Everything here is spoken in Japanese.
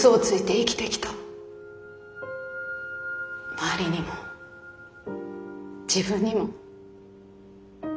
周りにも自分にも。